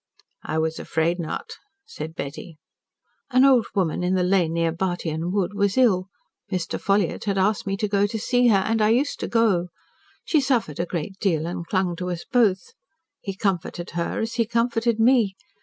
"I was afraid not," said Betty. "An old woman in the lane near Bartyon Wood was ill. Mr. Ffolliott had asked me to go to see her, and I used to go. She suffered a great deal and clung to us both. He comforted her, as he comforted me.